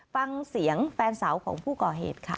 ฟังเสียงแฟนสาวของผู้ก่อเหตุค่ะ